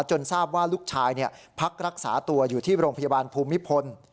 ทราบว่าลูกชายพักรักษาตัวอยู่ที่โรงพยาบาลภูมิพล